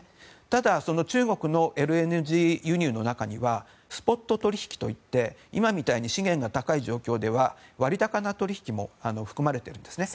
ただ、中国のＬＮＧ輸入の中にはスポット取引といって今みたいに資源が高い状態では割高な取引も含まれているんですね。